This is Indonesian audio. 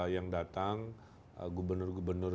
yang datang gubernur gubernur